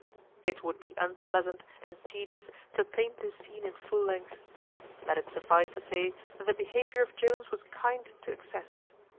It would be unpleasant and tedious to paint this scene in full length. Let it suffice to say, that the behaviour of Jones was kind to excess.